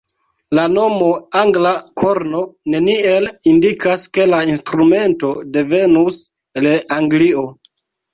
La nomo "angla korno" neniel indikas, ke la instrumento devenus el Anglio.